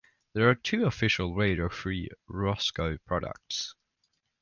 There are two official "Radio Free Roscoe" products.